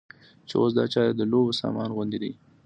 چې اوس دا چارې د لوبو سامان غوندې دي.